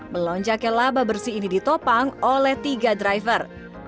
melonjaknya laba bersih ini ditopang oleh tiga driver